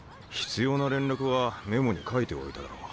必要な連絡はメモに書いておいたろ。